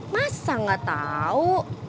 masa gak tau